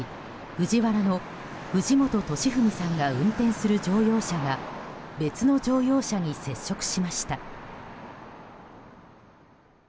ＦＵＪＩＷＡＲＡの藤本敏史さんが運転する乗用車が別の乗用車に接触しました。